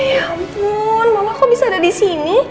ya ampun mama kok bisa ada disini